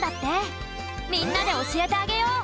みんなでおしえてあげよう！